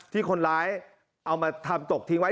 ที่คนร้ายเอามาทำตกทิ้งไว้